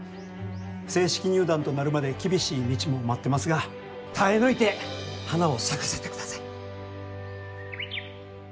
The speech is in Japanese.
正式入団となるまで厳しい道も待ってますが耐え抜いて花を咲かせてください。